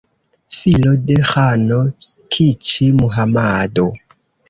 Filo de ĥano Kiĉi-Muhamado.